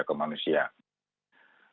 antara manusia ke manusia